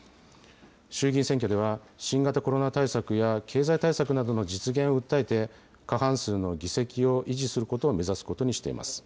衆議院選挙では、新型コロナ対策や経済対策などの実現を訴えて、過半数の議席を維持することを目指すことにしています。